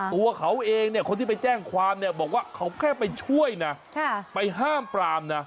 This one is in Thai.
ตัวเขาเองคนที่ไปแจ้งความบอกว่าเขาแค่ไปช่วยไปห้ามปราม